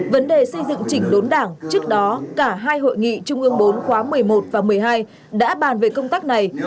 vấn đề xây dựng chỉnh đốn đảng trước đó cả hai hội nghị trung ương bốn khóa một mươi một và một mươi hai đã bàn về công tác này